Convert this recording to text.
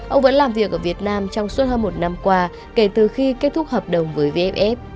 ông vẫn làm việc ở việt nam trong suốt hơn một năm qua kể từ khi kết thúc hợp đồng với vff